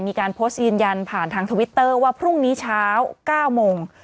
มีการโพสต์ยืนยันผ่านทางทวิตเตอร์ว่าพรุ่งนี้เช้า๙โมง